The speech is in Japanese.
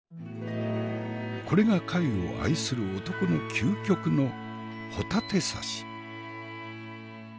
これが貝を愛する男の究極の帆立刺し。